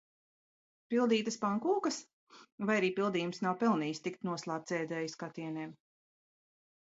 Pildītas pankūkas? Vai arī pildījums nav pelnījis tikt noslēpts ēdēja skatieniem?